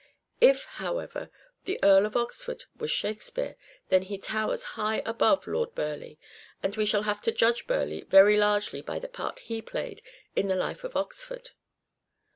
If, however, the Earl of Oxford was Shakespeare, then he towers high above Lord Burleigh, and we shall have to judge Burleigh very largely by the part he played in the life of Oxford.